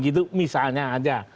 gitu misalnya aja